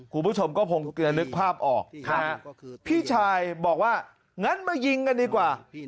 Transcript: คุณผู้ชมก็คงจะนึกภาพออกนะฮะพี่ชายบอกว่างั้นมายิงกันดีกว่า